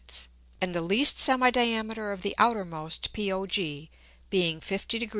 and the least Semi diameter of the outermost POG, being 50 Gr.